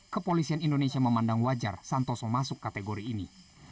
kepolisian indonesia memandang wajar santoso masuk kategori ini